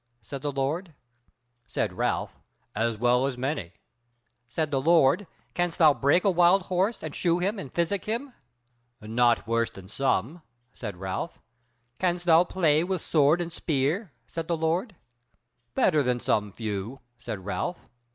said the Lord. Said Ralph: "As well as many." Said the Lord: "Canst thou break a wild horse, and shoe him, and physic him?" "Not worse than some," said Ralph. "Can'st thou play with sword and spear?" said the Lord. "Better than some few," said Ralph.